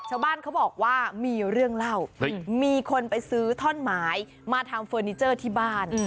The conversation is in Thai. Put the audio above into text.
ชาวบ้านเขาบอกว่ามีเรื่องเล่ามีคนไปซื้อท่อนไม้มาทำเฟอร์นิเจอร์ที่บ้าน